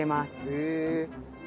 へえ。